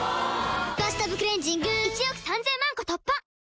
「バスタブクレンジング」１億３０００万個突破！